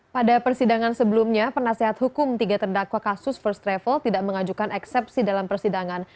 pada persidangan sebelumnya penasehat hukum tiga terdakwa kasus first travel tidak mengajukan eksepsi dalam persidangan